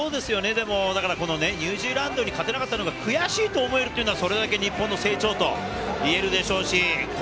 ニュージーランドに勝てなかったのが悔しいと思えるというのは、それだけ日本の成長と言えるでしょう。